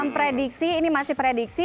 prediksi ini masih prediksi